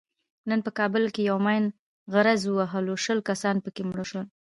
نن په کابل کې یوه ماین غرز وهلو شل کسان پکې مړه شول.